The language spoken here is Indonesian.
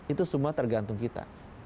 itu semua tergantung kita